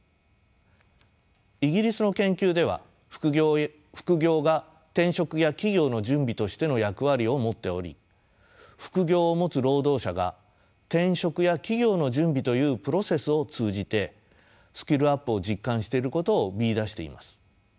イギリスの研究では副業が転職や起業の準備としての役割を持っており副業を持つ労働者が転職や起業の準備というプロセスを通じてスキルアップを実感していることを見いだしています。